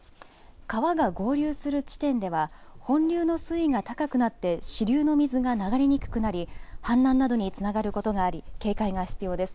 川が合流する地点では本流の水位が高くなって支流の水が流れにくくなり氾濫などにつながることがあり警戒が必要です。